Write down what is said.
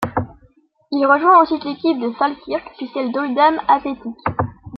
Il rejoint ensuite l'équipe de Falkirk, puis celle d'Oldham Athletic.